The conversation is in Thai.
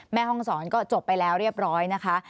แม่ห้องศรก็จบไปแล้วเรียบร้อยนะคะ